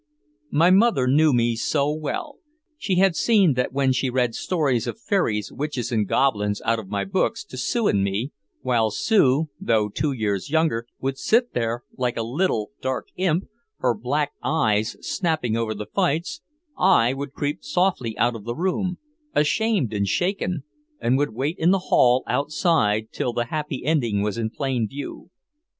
My mother knew me so well. She had seen that when she read stories of fairies, witches and goblins out of my books to Sue and me, while Sue, though two years younger, would sit there like a little dark imp, her black eyes snapping over the fights, I would creep softly out of the room, ashamed and shaken, and would wait in the hall outside till the happy ending was in plain view.